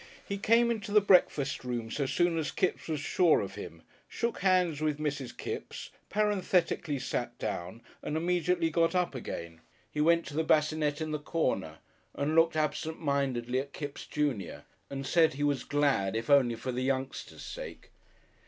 He came into the breakfast room so soon as Kipps was sure of him, shook hands with Mrs. Kipps parenthetically, sat down and immediately got up again. He went to the bassinette in the corner and looked absentmindedly at Kipps, junior, and said he was glad if only for the youngster's sake.